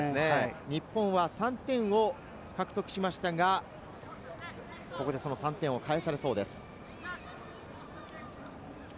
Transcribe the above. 日本は３点を獲得しましたが、ここで、その３点を返されそうです。